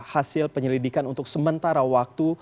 hasil penyelidikan untuk sementara waktu